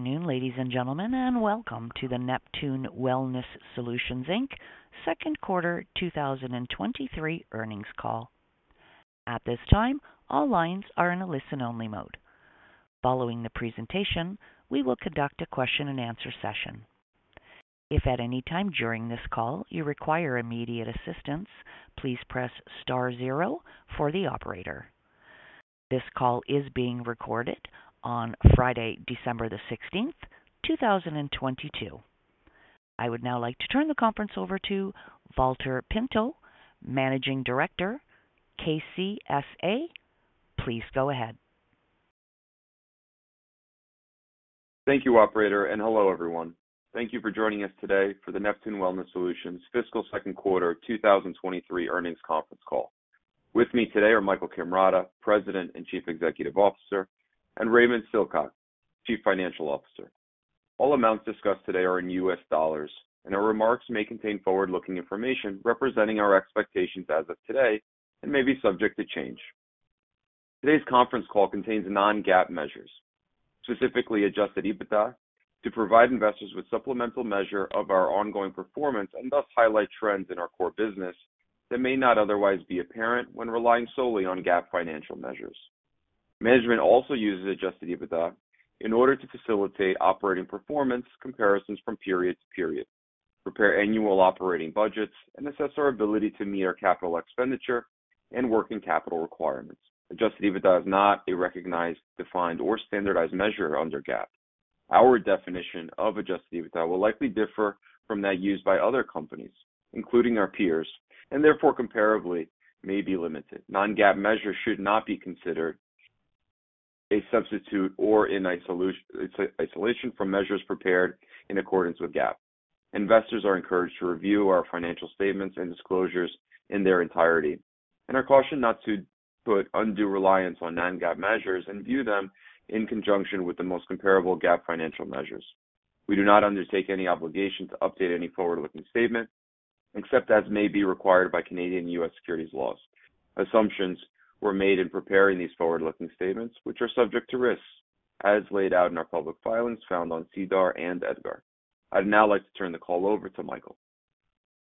Good afternoon, ladies and gentlemen, welcome to the Neptune Wellness Solutions Inc. Q2 2023 earnings call. At this time, all lines are in a listen only mode. Following the presentation, we will conduct a question and answer session. If at any time during this call you require immediate assistance, please press star zero for the operator. This call is being recorded on Friday, December 16th, 2022. I would now like to turn the conference over to Valter Pinto, Managing Director, KCSA. Please go ahead. Thank you operator. Hello everyone. Thank you for joining us today for the Neptune Wellness Solutions fiscal Q2 2023 earnings conference call. With me today are Michael Cammarata, President and Chief Executive Officer, and Raymond Silcock, Chief Financial Officer. All amounts discussed today are in U.S. dollars, and our remarks may contain forward-looking information representing our expectations as of today and may be subject to change. Today's conference call contains non-GAAP measures, specifically adjusted EBITDA, to provide investors with supplemental measure of our ongoing performance and thus highlight trends in our core business that may not otherwise be apparent when relying solely on GAAP financial measures. Management also uses adjusted EBITDA in order to facilitate operating performance comparisons from period to period, prepare annual operating budgets, and assess our ability to meet our capital expenditure and working capital requirements. Adjusted EBITDA is not a recognized, defined, or standardized measure under GAAP. Our definition of adjusted EBITDA will likely differ from that used by other companies, including our peers, and therefore comparably may be limited. Non-GAAP measures should not be considered a substitute or in isolation from measures prepared in accordance with GAAP. Investors are encouraged to review our financial statements and disclosures in their entirety and are cautioned not to put undue reliance on non-GAAP measures and view them in conjunction with the most comparable GAAP financial measures. We do not undertake any obligation to update any forward-looking statement, except as may be required by Canadian and U.S. securities laws. Assumptions were made in preparing these forward-looking statements, which are subject to risks as laid out in our public filings found on SEDAR and EDGAR. I'd now like to turn the call over to Michael.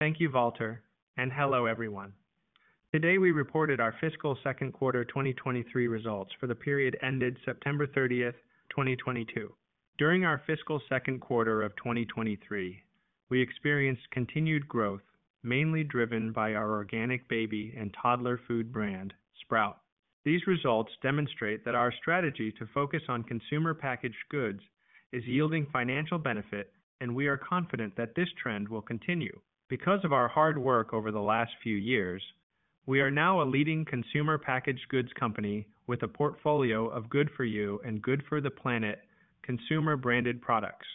Thank you, Valter, and hello everyone. Today we reported our fiscal Q2 2023 results for the period ended September 30th, 2022. During our fiscal Q2 of 2023, we experienced continued growth, mainly driven by our organic baby and toddler food brand, Sprout. These results demonstrate that our strategy to focus on consumer packaged goods is yielding financial benefit, and we are confident that this trend will continue. Because of our hard work over the last few years, we are now a leading consumer packaged goods company with a portfolio of good for you and good for the planet consumer branded products.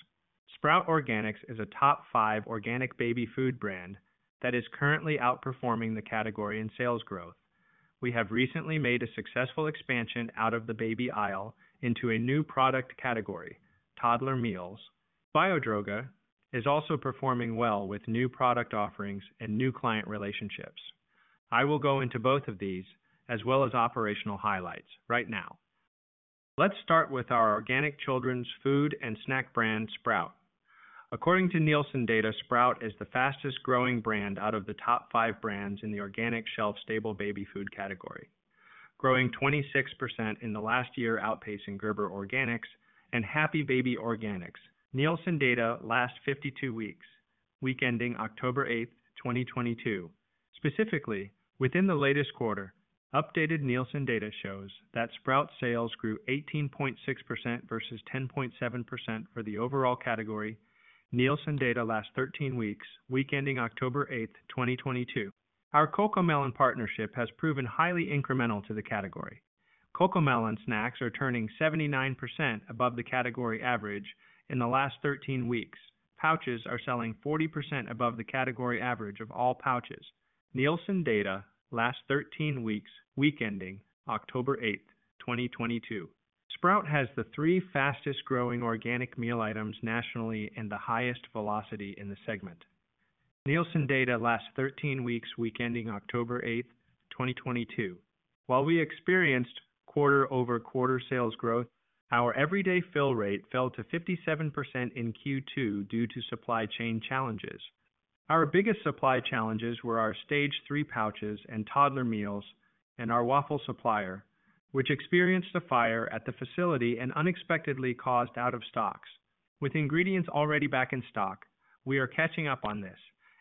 Sprout Organics is a top five organic baby food brand that is currently outperforming the category in sales growth. We have recently made a successful expansion out of the baby aisle into a new product category, toddler meals. Biodroga is also performing well with new product offerings and new client relationships. I will go into both of these as well as operational highlights right now. Let's start with our organic children's food and snack brand, Sprout. According to Nielsen data, Sprout is the fastest growing brand out of the top five brands in the organic shelf stable baby food category, growing 26% in the last year, outpacing Gerber Organics and Happy Baby Organics. Nielsen data last 52 weeks, week ending October eighth, 2022. Specifically, within the latest quarter, updated Nielsen data shows that Sprout sales grew 18.6% versus 10.7% for the overall category. Nielsen data last 13 weeks, week ending October 8th, 2022. Our CoComelon partnership has proven highly incremental to the category. CoComelon snacks are turning 79% above the category average in the last 13 weeks. Pouches are selling 40% above the category average of all pouches. Nielsen data last 13 weeks, week ending October 8th, 2022. Sprout has the 3 fastest growing organic meal items nationally and the highest velocity in the segment. Nielsen data last 13 weeks, week ending October 8th, 2022. We experienced quarter-over-quarter sales growth, our everyday fill rate fell to 57% in Q2 due to supply chain challenges. Our biggest supply challenges were our stage 3 pouches and toddler meals and our waffle supplier, which experienced a fire at the facility and unexpectedly caused out of stocks. With ingredients already back in stock, we are catching up on this,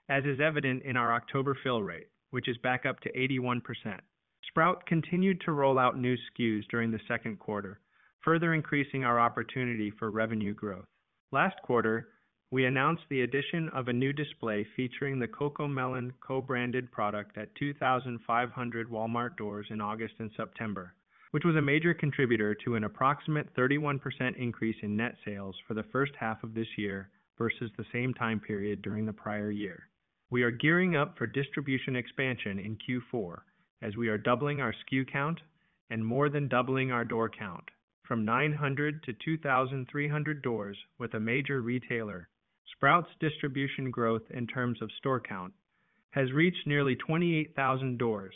as is evident in our October fill rate, which is back up to 81%. Sprout continued to roll out new SKUs during the Q2, further increasing our opportunity for revenue growth. Last quarter, we announced the addition of a new display featuring the CoComelon co-branded product at 2,500 Walmart doors in August and September, which was a major contributor to an approximate 31% increase in net sales for the first half of this year versus the same time period during the prior year. We are gearing up for distribution expansion in Q4 as we are doubling our SKU count and more than doubling our door count from 900 to 2,300 doors with a major retailer. Sprout's distribution growth in terms of store count has reached nearly 28,000 doors.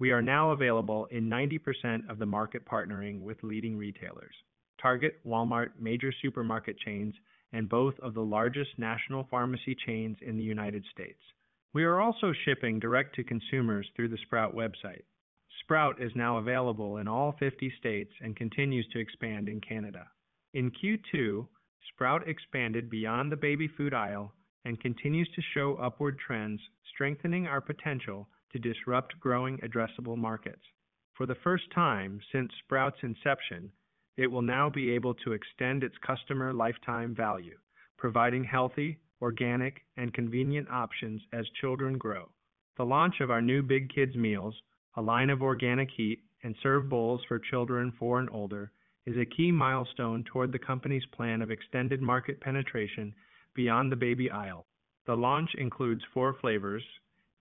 We are now available in 90% of the market partnering with leading retailers, Target, Walmart, major supermarket chains, and both of the largest national pharmacy chains in the United States. We are also shipping direct to consumers through the Sprout website. Sprout is now available in all 50 states and continues to expand in Canada. In Q2, Sprout expanded beyond the baby food aisle and continues to show upward trends, strengthening our potential to disrupt growing addressable markets. For the first time since Sprout's inception, it will now be able to extend its customer lifetime value, providing healthy, organic, and convenient options as children grow. The launch of our new Big Kid Mealz, a line of organic heat and serve bowls for children four and older, is a key milestone toward the company's plan of extended market penetration beyond the baby aisle. The launch includes four flavors,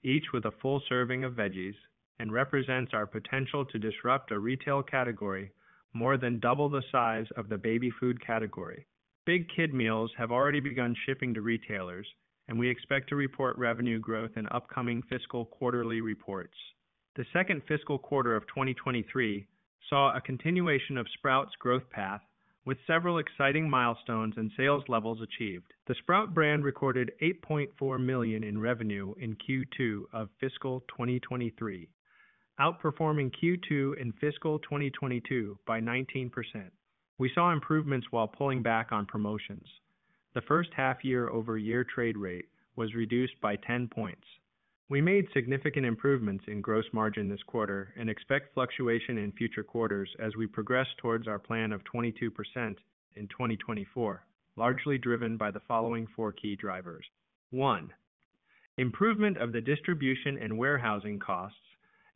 each with a full serving of veggies, and represents our potential to disrupt a retail category more than double the size of the baby food category. Big Kid Mealz have already begun shipping to retailers. We expect to report revenue growth in upcoming fiscal quarterly reports. The second fiscal quarter of 2023 saw a continuation of Sprout's growth path with several exciting milestones and sales levels achieved. The Sprout brand recorded $8.4 million in revenue in Q2 of fiscal 2023, outperforming Q2 in fiscal 2022 by 19%. We saw improvements while pulling back on promotions. The first half year-over-year trade rate was reduced by 10 points. We made significant improvements in gross margin this quarter and expect fluctuation in future quarters as we progress towards our plan of 22% in 2024, largely driven by the following four key drivers. One, improvement of the distribution and warehousing costs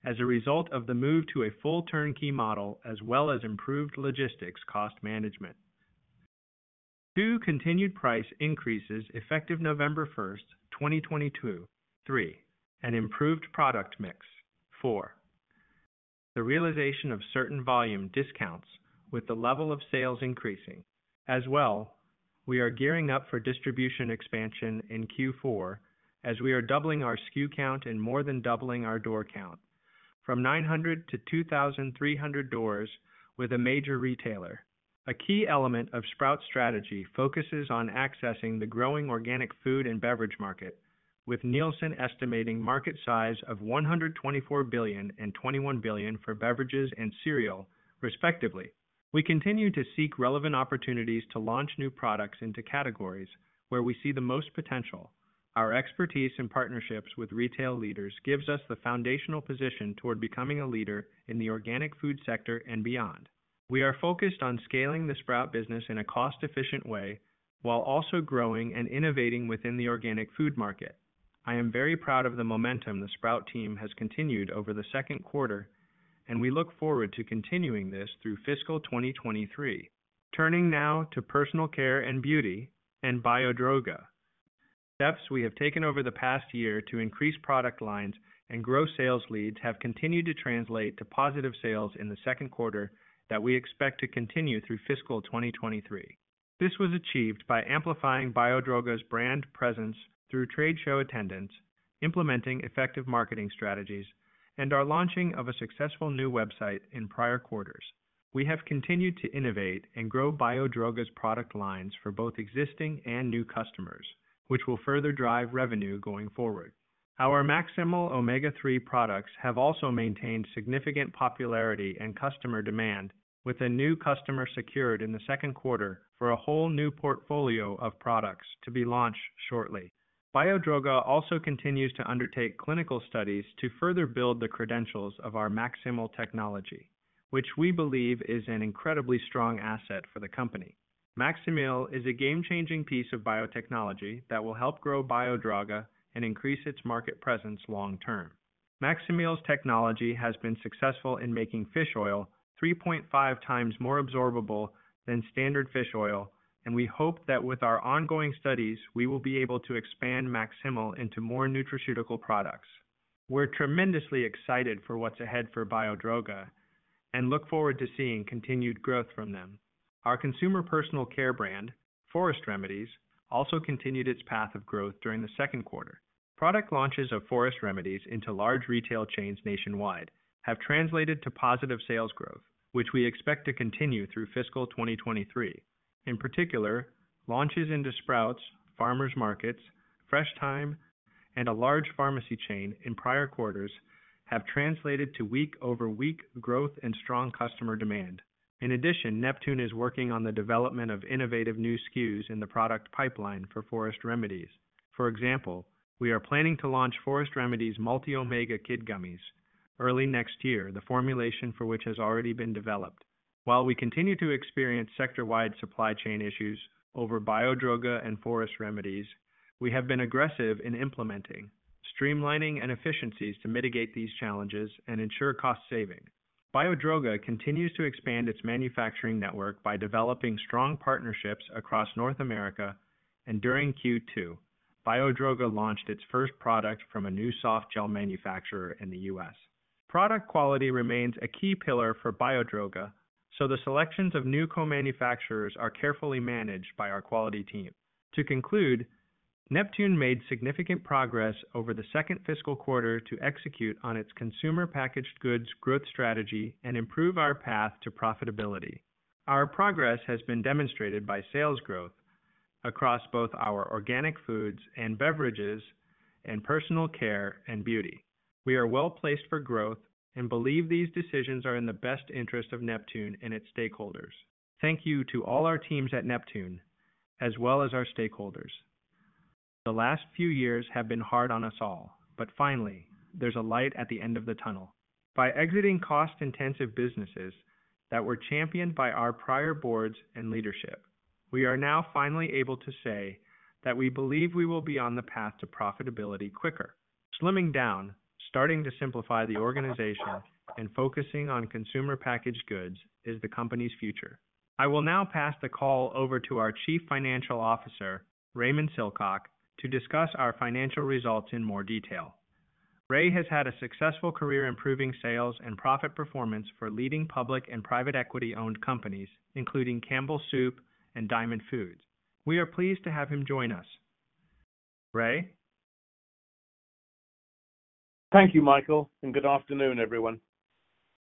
as a result of the move to a full turnkey model, as well as improved logistics cost management. Two, continued price increases effective November 1st, 2022. Three, an improved product mix. Four, the realization of certain volume discounts with the level of sales increasing. We are gearing up for distribution expansion in Q4 as we are doubling our SKU count and more than doubling our door count from 900 to 2,300 doors with a major retailer. A key element of Sprout's strategy focuses on accessing the growing organic food and beverage market, with NielsenIQ estimating market size of $124 billion and $21 billion for beverages and cereal, respectively. We continue to seek relevant opportunities to launch new products into categories where we see the most potential. Our expertise and partnerships with retail leaders gives us the foundational position toward becoming a leader in the organic food sector and beyond. We are focused on scaling the Sprout business in a cost-efficient way while also growing and innovating within the organic food market. I am very proud of the momentum the Sprout team has continued over the Q2, we look forward to continuing this through fiscal 2023. Turning now to personal care and beauty and Biodroga. Steps we have taken over the past year to increase product lines and grow sales leads have continued to translate to positive sales in the Q2 that we expect to continue through fiscal 2023. This was achieved by amplifying Biodroga's brand presence through trade show attendance, implementing effective marketing strategies, and our launching of a successful new website in prior quarters. We have continued to innovate and grow Biodroga's product lines for both existing and new customers, which will further drive revenue going forward. Our MaxSimil Omega-3 products have also maintained significant popularity and customer demand, with a new customer secured in the Q2 for a whole new portfolio of products to be launched shortly. Biodroga also continues to undertake clinical studies to further build the credentials of our MaxSimil technology, which we believe is an incredibly strong asset for the company. MaxSimil is a game-changing piece of biotechnology that will help grow Biodroga and increase its market presence long term. MaxSimil's technology has been successful in making fish oil 3.5x more absorbable than standard fish oil. We hope that with our ongoing studies, we will be able to expand MaxSimil into more nutraceutical products. We're tremendously excited for what's ahead for Biodroga and look forward to seeing continued growth from them. Our consumer personal care brand, Forest Remedies, also continued its path of growth during the Q2. Product launches of Forest Remedies into large retail chains nationwide have translated to positive sales growth, which we expect to continue through fiscal 2023. In particular, launches into Sprouts Farmers Markets, Fresh Thyme, and a large pharmacy chain in prior quarters have translated to week-over-week growth and strong customer demand. In addition, Neptune is working on the development of innovative new SKUs in the product pipeline for Forest Remedies. For example, we are planning to launch Forest Remedies Multi Omega Kid Gummies early next year, the formulation for which has already been developed. While we continue to experience sector-wide supply chain issues over Biodroga and Forest Remedies, we have been aggressive in implementing, streamlining, and efficiencies to mitigate these challenges and ensure cost saving. Biodroga continues to expand its manufacturing network by developing strong partnerships across North America, and during Q2, Biodroga launched its first product from a new soft gel manufacturer in the U.S. Product quality remains a key pillar for Biodroga, so the selections of new co-manufacturers are carefully managed by our quality team. To conclude, Neptune made significant progress over the second fiscal quarter to execute on its consumer packaged goods growth strategy and improve our path to profitability. Our progress has been demonstrated by sales growth across both our organic foods and beverages and personal care and beauty. We are well-placed for growth and believe these decisions are in the best interest of Neptune and its stakeholders. Thank you to all our teams at Neptune, as well as our stakeholders. Finally, there's a light at the end of the tunnel. By exiting cost-intensive businesses that were championed by our prior boards and leadership, we are now finally able to say that we believe we will be on the path to profitability quicker. Slimming down, starting to simplify the organization, and focusing on consumer packaged goods is the company's future. I will now pass the call over to our Chief Financial Officer, Raymond Silcock, to discuss our financial results in more detail. Ray has had a successful career improving sales and profit performance for leading public and private equity-owned companies, including Campbell Soup and Diamond Foods. We are pleased to have him join us. Ray? Thank you, Michael. Good afternoon, everyone.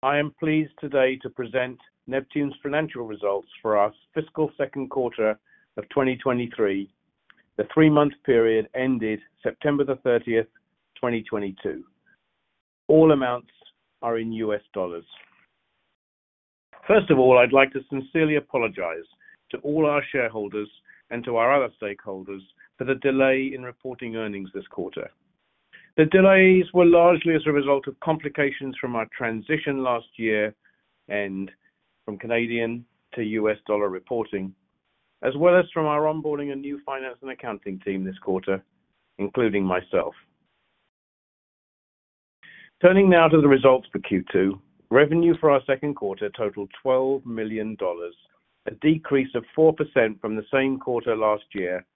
I am pleased today to present Neptune's financial results for our fiscal Q2 of 2023, the three-month period ended September 30th, 2022. All amounts are in U.S. dollars. First of all, I'd like to sincerely apologize to all our shareholders and to our other stakeholders for the delay in reporting earnings this quarter. The delays were largely as a result of complications from our transition last year and from Canadian to U.S. dollar reporting, as well as from our onboarding a new finance and accounting team this quarter, including myself. Turning now to the results for Q2, revenue for our Q2 totaled $12 million, a decrease of 4% from the same quarter last year,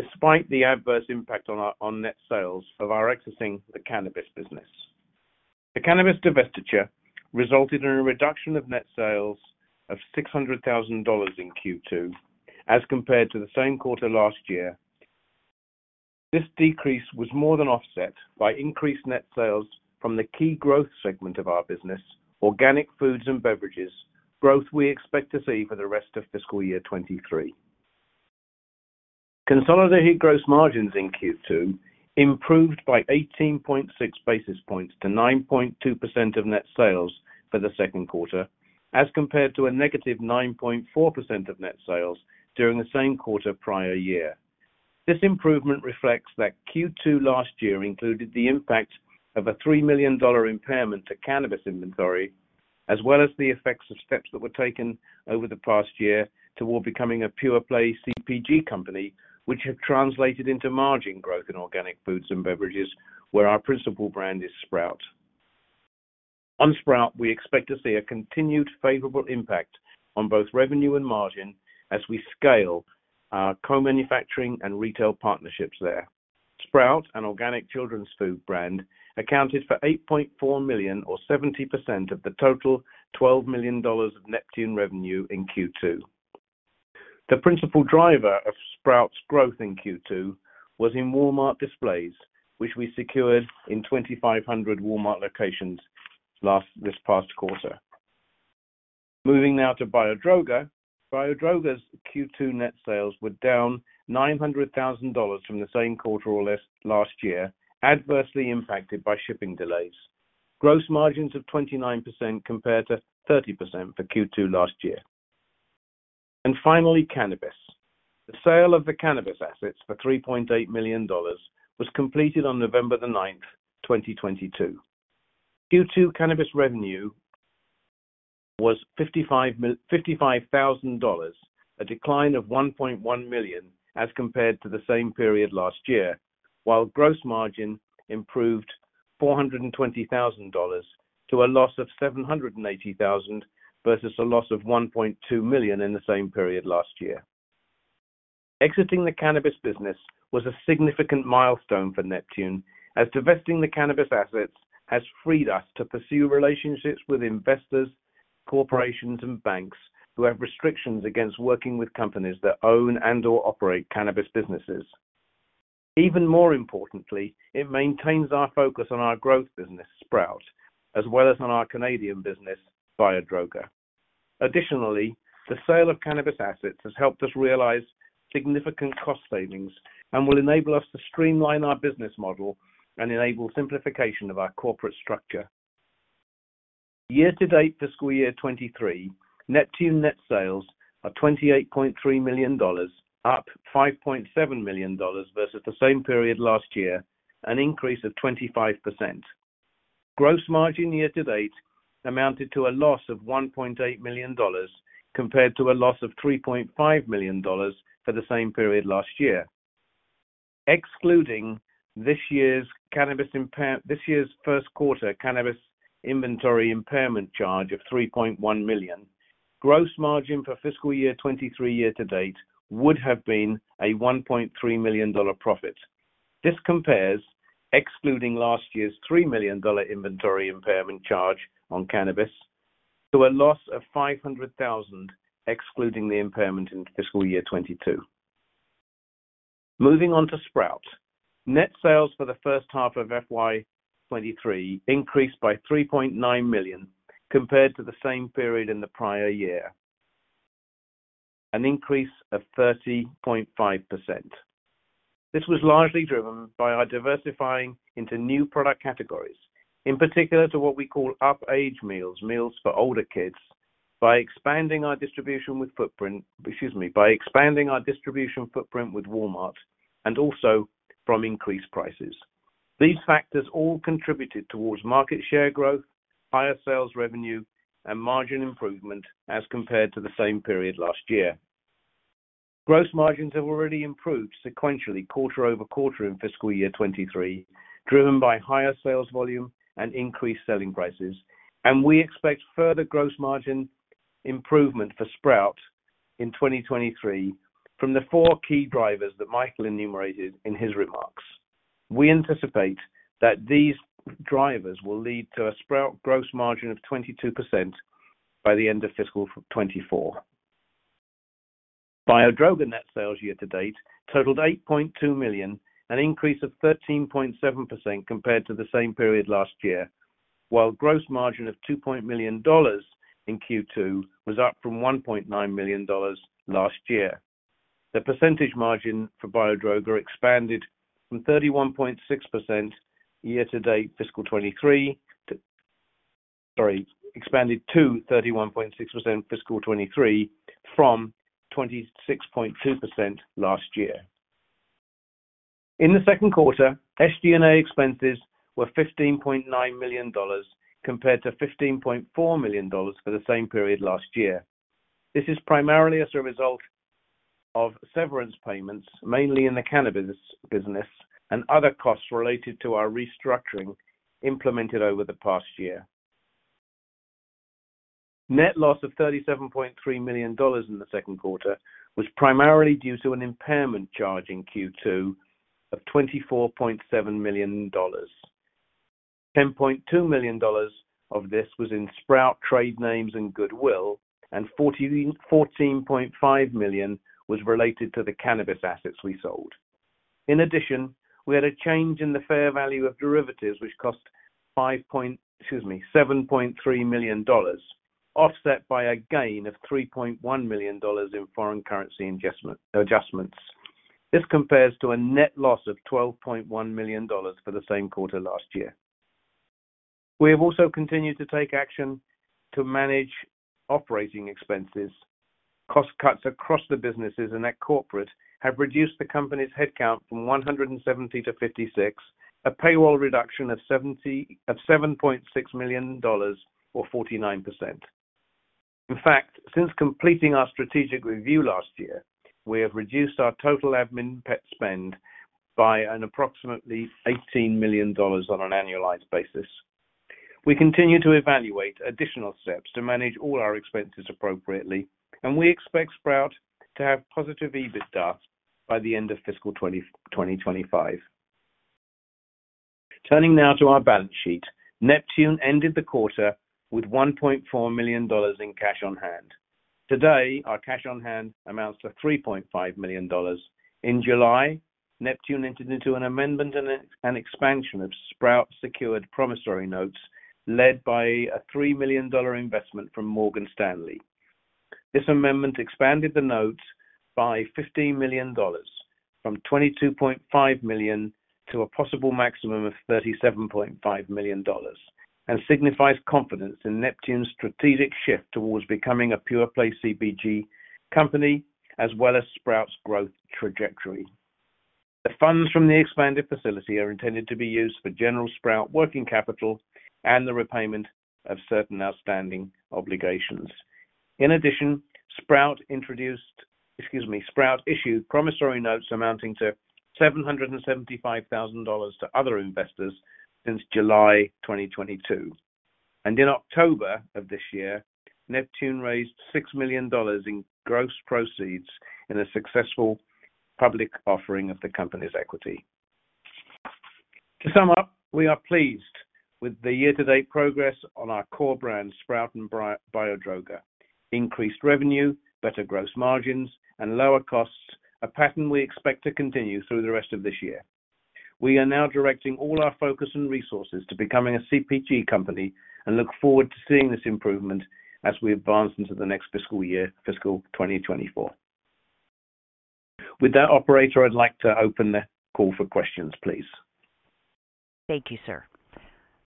despite the adverse impact on net sales of our exiting the cannabis business. The cannabis divestiture resulted in a reduction of net sales of $600,000 in Q2, as compared to the same quarter last year. This decrease was more than offset by increased net sales from the key growth segment of our business, organic foods and beverages, growth we expect to see for the rest of fiscal year 2023. Consolidated gross margins in Q2 improved by 18.6 basis points to 9.2% of net sales for the Q2, as compared to a -9.4% of net sales during the same quarter prior year. This improvement reflects that Q2 last year included the impact of a $3 million impairment to cannabis inventory, as well as the effects of steps that were taken over the past year toward becoming a pure-play CPG company, which have translated into margin growth in organic foods and beverages, where our principal brand is Sprout. On Sprout, we expect to see a continued favorable impact on both revenue and margin as we scale our co-manufacturing and retail partnerships there. Sprout, an organic children's food brand, accounted for $8.4 million or 70% of the total $12 million of Neptune revenue in Q2. The principal driver of Sprout's growth in Q2 was in Walmart displays, which we secured in 2,500 Walmart locations this past quarter. Moving now to Biodroga. Biodroga's Q2 net sales were down $900,000 from the same quarter last year, adversely impacted by shipping delays. Gross margins of 29% compared to 30% for Q2 last year. Finally, cannabis. The sale of the cannabis assets for $3.8 million was completed on November the 9th, 2022. Q2 cannabis revenue was $55,000, a decline of $1.1 million as compared to the same period last year, while gross margin improved $420,000 to a loss of $780,000 versus a loss of $1.2 million in the same period last year. Exiting the cannabis business was a significant milestone for Neptune, as divesting the cannabis assets has freed us to pursue relationships with investors, corporations, and banks who have restrictions against working with companies that own and/or operate cannabis businesses. Even more importantly, it maintains our focus on our growth business, Sprout, as well as on our Canadian business, Biodroga. The sale of cannabis assets has helped us realize significant cost savings and will enable us to streamline our business model and enable simplification of our corporate structure. f-to-date fiscal year 2023, Neptune net sales are $28.3 million, up $5.7 million versus the same period last year, an increase of 25%. Gross margin year-to-date amounted to a loss of $1.8 million compared to a loss of $3.5 million for the same period last year. Excluding this year's first quarter cannabis inventory impairment charge of $3.1 million. Gross margin for fiscal year 2023 year to date would have been a $1.3 million profit. This compares excluding last year's $3 million inventory impairment charge on cannabis to a loss of $500,000 excluding the impairment in fiscal year 2022. Moving on to Sprout. Net sales for the first half of FY 2023 increased by $3.9 million compared to the same period in the prior year, an increase of 30.5%. This was largely driven by our diversifying into new product categories, in particular to what we call up-age meals for older kids by expanding our distribution footprint with Walmart and also from increased prices. These factors all contributed towards market share growth, higher sales revenue, and margin improvement as compared to the same period last year. Gross margins have already improved sequentially quarter-over-quarter in fiscal year 2023, driven by higher sales volume and increased selling prices, and we expect further gross margin improvement for Sprout in 2023 from the four key drivers that Michael enumerated in his remarks. We anticipate that these drivers will lead to a Sprout gross margin of 22% by the end of fiscal 2024. Biodroga net sales year-to-date totaled $8.2 million, an increase of 13.7% compared to the same period last year, while gross margin of $2 million in Q2 was up from $1.9 million last year. The percentage margin for Biodroga expanded from 31.6% year-to-date fiscal year 2023 to... Sorry, expanded to 31.6% fiscal year 2023 from 26.2% last year. In the Q2, SG&A expenses were $15.9 million compared to $15.4 million for the same period last year. This is primarily as a result of severance payments, mainly in the cannabis business and other costs related to our restructuring implemented over the past year. Net loss of $37.3 million in the Q2 was primarily due to an impairment charge in Q2 of $24.7 million. $10.2 million of this was in Sprout trade names and goodwill, and $14.5 million was related to the cannabis assets we sold. In addition, we had a change in the fair value of derivatives, which cost $7.3 million, offset by a gain of $3.1 million in foreign currency adjustments. This compares to a net loss of $12.1 million for the same quarter last year. We have also continued to take action to manage operating expenses. Cost cuts across the businesses and at corporate have reduced the company's headcount from 170 to 56, a payroll reduction of $7.6 million, or 49%. In fact, since completing our strategic review last year, we have reduced our total admin headcount spend by an approximately $18 million on an annualized basis. We continue to evaluate additional steps to manage all our expenses appropriately, and we expect Sprout to have positive EBITDA by the end of fiscal 2025. Turning now to our balance sheet. Neptune ended the quarter with $1.4 million in cash on hand. Today, our cash on hand amounts to $3.5 million. In July, Neptune entered into an amendment and an expansion of Sprout secured promissory notes led by a $3 million investment from Morgan Stanley. This amendment expanded the notes by $15 million from $22.5 million to a possible maximum of $37.5 million and signifies confidence in Neptune's strategic shift towards becoming a pure-play CPG company as well as Sprout's growth trajectory. The funds from the expanded facility are intended to be used for general Sprout working capital and the repayment of certain outstanding obligations. Sprout issued promissory notes amounting to $775,000 to other investors since July 2022. In October of this year, Neptune raised $6 million in gross proceeds in a successful public offering of the company's equity. To sum up, we are pleased with the year-to-date progress on our core brands, Sprout and Biodroga. Increased revenue, better gross margins and lower costs, a pattern we expect to continue through the rest of this year. We are now directing all our focus and resources to becoming a CPG company and look forward to seeing this improvement as we advance into the next fiscal year, fiscal 2024. With that operator, I'd like to open the call for questions, please. Thank you, sir.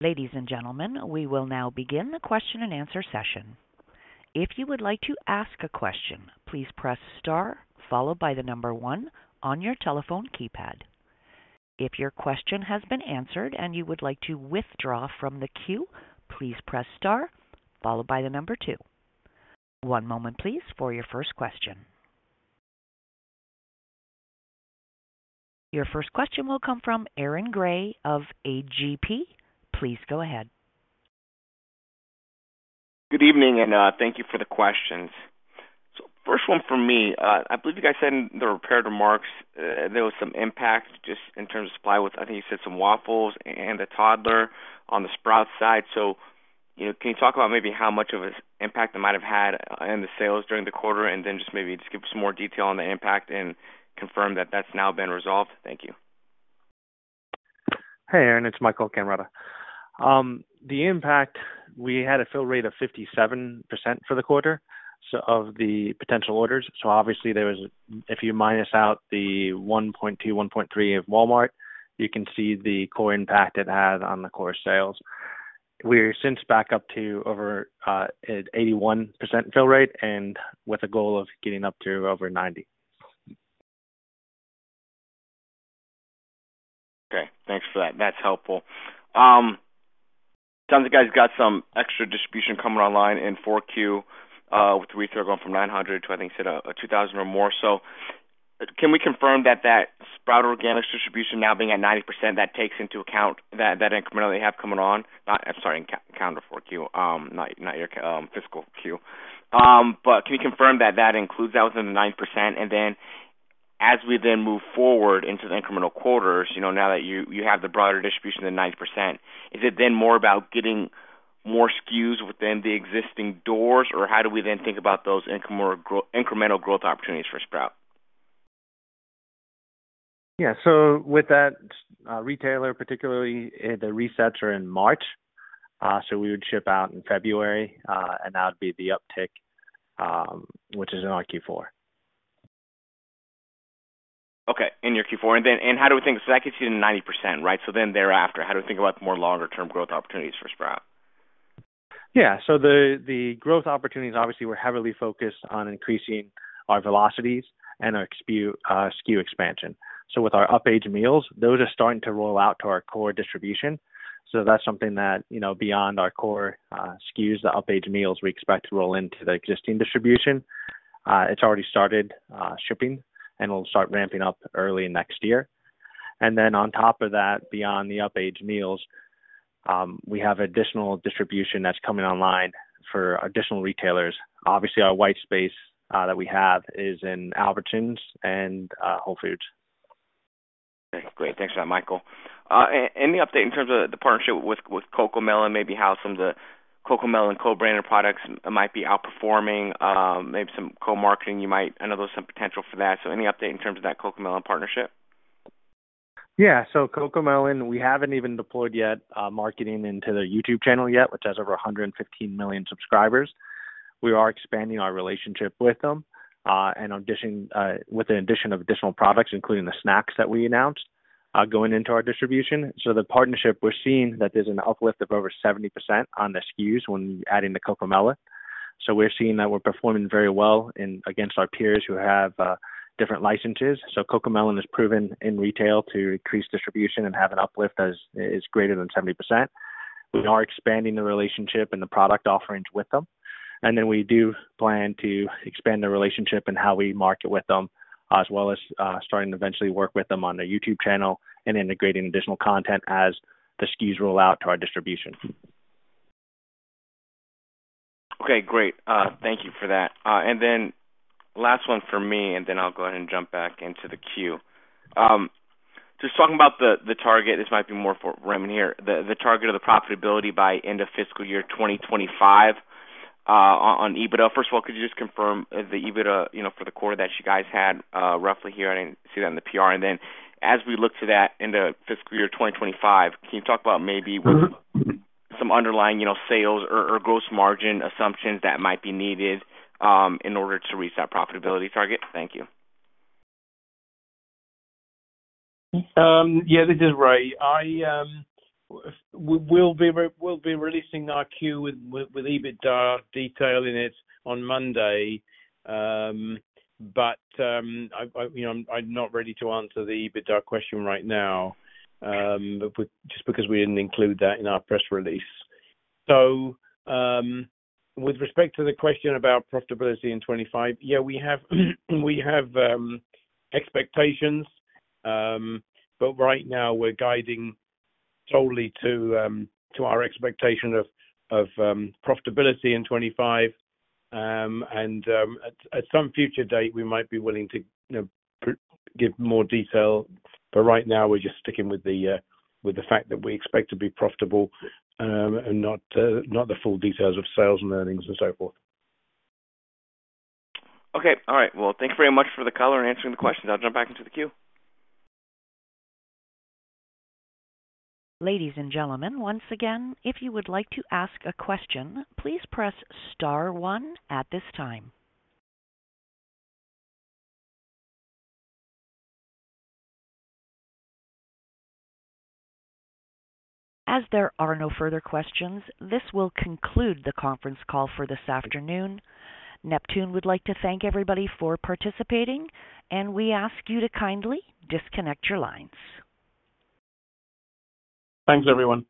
Ladies and gentlemen, we will now begin the question and answer session. If you would like to ask a question, please press star followed by the number one on your telephone keypad. If your question has been answered and you would like to withdraw from the queue, please press star followed by the number two. One moment please for your first question. Your first question will come from Aaron Grey of A.G.P. Please go ahead. Good evening, thank you for the questions. First one from me. I believe you guys said in the prepared remarks, there was some impact just in terms of supply with, I think you said some waffles and a toddler on the Sprout side. You know, can you talk about maybe how much of an impact it might have had in the sales during the quarter, and then just maybe just give us more detail on the impact and confirm that that's now been resolved? Thank you. Hey, Aaron, it's Michael Cammarata. The impact, we had a fill rate of 57% for the quarter, so of the potential orders. Obviously there was... If you minus out the $1.2, $1.3 of Walmart, you can see the core impact it had on the core sales. We're since back up to over, at 81% fill rate and with a goal of getting up to over 90. Okay. Thanks for that. That's helpful. It sounds like you guys got some extra distribution coming online in Q4, with retail going from 900 to, I think you said, 2,000 or more. Can we confirm that Sprout Organics distribution now being at 90%, that takes into account that incremental they have coming on? I'm sorry, in calendar Q4, not your fiscal Q. Can you confirm that that includes that within the 9%? As we then move forward into the incremental quarters, you know, now that you have the broader distribution of the 90%, is it then more about getting more SKUs within the existing doors? Or how do we then think about those incremental growth opportunities for Sprout? Yeah. With that, retailer particularly, the resets are in March, so we would ship out in February, and that would be the uptick, which is in our Q4. Okay. In your Q4. How do we think? That gets you to 90%, right? Thereafter, how do we think about the more longer-term growth opportunities for Sprout? The growth opportunities, obviously we're heavily focused on increasing our velocities and our SKU expansion. With our up-age meals, those are starting to roll out to our core distribution. That's something that, you know, beyond our core SKUs, the up-age meals we expect to roll into the existing distribution. It's already started shipping, and we'll start ramping up early next year. On top of that, beyond the up-age meals, we have additional distribution that's coming online for additional retailers. Obviously, our white space that we have is in Albertsons and Whole Foods. Okay, great. Thanks for that, Michael. Any update in terms of the partnership with CoComelon, maybe how some of the CoComelon co-branded products might be outperforming, maybe some co-marketing you might... I know there's some potential for that. Any update in terms of that CoComelon partnership? Yeah. CoComelon, we haven't even deployed yet, marketing into their YouTube channel yet, which has over 115 million subscribers. We are expanding our relationship with them, and addition, with the addition of additional products, including the snacks that we announced, going into our distribution. The partnership, we're seeing that there's an uplift of over 70% on the SKUs when adding the CoComelon. We're seeing that we're performing very well against our peers who have different licenses. CoComelon has proven in retail to increase distribution and have an uplift as is greater than 70%. We are expanding the relationship and the product offerings with them. We do plan to expand the relationship and how we market with them, as well as, starting to eventually work with them on their YouTube channel and integrating additional content as the SKUs roll out to our distribution. Okay, great. Thank you for that. Last one for me, and then I'll go ahead and jump back into the queue. Just talking about the target, this might be more for Raymond here. The target of the profitability by end of fiscal year 2025 on EBITDA. First of all, could you just confirm the EBITDA, you know, for the quarter that you guys had roughly here? I didn't see that in the PR. As we look to that end of fiscal year 2025, can you talk about maybe some underlying, you know, sales or gross margin assumptions that might be needed in order to reach that profitability target? Thank you. Yeah. This is Ray. I, you know, we'll be releasing our Q with EBITDA detail in it on Monday. I, you know, I'm not ready to answer the EBITDA question right now, just because we didn't include that in our press release. With respect to the question about profitability in 2025, yeah, we have expectations. Right now we're guiding solely to our expectation of profitability in 2025. At some future date, we might be willing to, you know, give more detail. Right now we're just sticking with the fact that we expect to be profitable, and not the full details of sales and earnings and so forth. Okay. All right. Well, thank you very much for the color and answering the questions. I'll jump back into the queue. Ladies and gentlemen, once again, if you would like to ask a question, please press star one at this time. As there are no further questions, this will conclude the conference call for this afternoon. Neptune would like to thank everybody for participating, and we ask you to kindly disconnect your lines. Thanks, everyone.